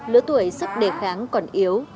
lứa tuổi sắp đề kháng còn yếu